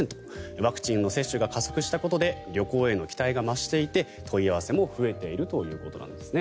ワクチンの接種が加速したことで旅行への期待が増していて問い合わせも増えているということなんですね。